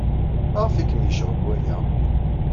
Maɣef ay kem-yecɣeb waya?